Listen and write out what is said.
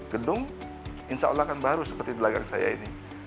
gedung insya allah akan baru seperti belakang saya ini